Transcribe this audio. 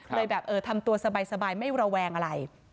เลยแบบทำตัวสบายไม่ระแวงอะไร